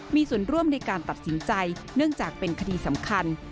มีส่วนร่วมในการตัดสินใจเนื่องจากเป็นคดีสำคัญ